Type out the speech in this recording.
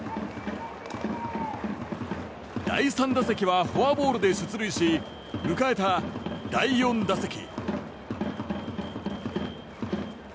第３打席はフォアボールで出塁し迎えた第４打席。